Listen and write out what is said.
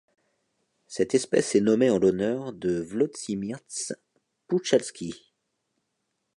Cette espèce est nommée en l'honneur de Włodzimierz Puchalski.